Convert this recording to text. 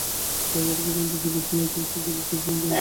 খাওয়াইবার উপকরণ বেশি কিছু নাই, তবু ছেলেটি খুব খুশির সঙ্গে খাইল।